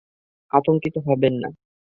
আতঙ্কিত হবে না!